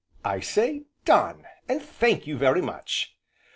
"I say done, and thank you very much!"